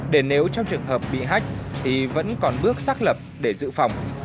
để nếu trong trường hợp bị hách thì vẫn còn bước xác lập để giữ phòng